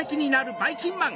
ばいきんまん！